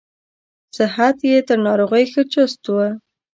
صحت یې تر ناروغۍ ښه چست و.